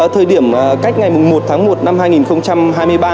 thời điểm cách ngày một tháng một năm hai nghìn hai mươi ba